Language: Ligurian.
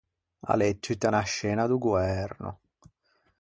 A l’é tutta unna scena do goerno.